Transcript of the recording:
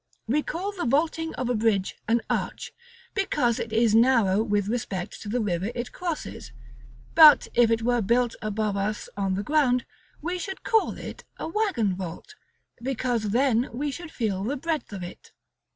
We call the vaulting of a bridge "an arch," because it is narrow with respect to the river it crosses; but if it were built above us on the ground, we should call it a waggon vault, because then we should feel the breadth of it.